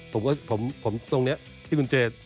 ผมตรงนี้พี่คุณเจตร์